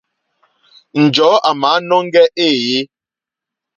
Njɔ̀ɔ́ àmǎnɔ́ŋgɛ̄ éèyé.